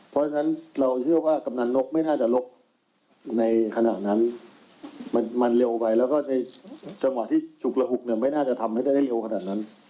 เพราะฉะนั้นเราเชื่อว่ากำนันนกไม่น่าจะลบในขณะนั้นมันเร็วไปแล้วก็ในจังหวะที่ฉุกระหุกเนี่ยไม่น่าจะทำให้ได้เร็วขนาดนั้น